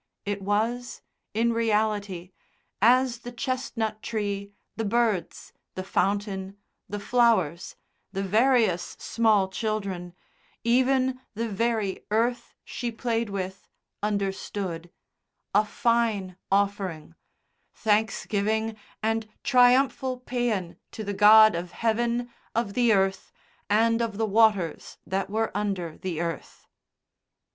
It was, in reality, as the chestnut tree, the birds, the fountain, the flowers, the various small children, even the very earth she played with, understood, a fine offering thanksgiving and triumphal pæan to the God of Heaven, of the earth, and of the waters that were under the earth.